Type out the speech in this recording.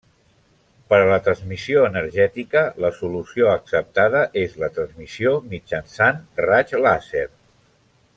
Per a la transmissió energètica la solució acceptada és la transmissió mitjançant raig làser.